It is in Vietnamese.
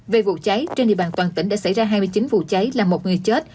về vụ cháy trên địa bàn toàn tỉnh đã xảy ra hai mươi chín vụ cháy làm một người chết